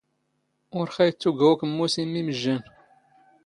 ⵓⵔ ⵅⴰ ⵉⵜⵜⵓⴳⴰ ⵓⴽⵎⵎⵓⵙ ⵉ ⵎⵎ ⵉⵎⵊⵊⴰⵏ